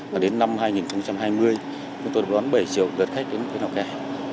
và đến năm hai nghìn hai mươi tôi đoán bảy triệu đợt khách đến lào cai